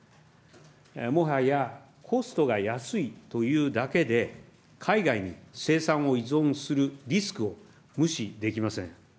もはやコストが安いというだけで、海外に生産を依存するリスクを無視できません。